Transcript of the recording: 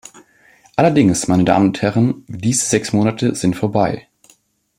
Allerdings, meine Damen und Herren, diese sechs Monate sind vorbei.